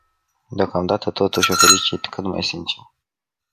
Deocamdată totuși o felicit cât mai sincer.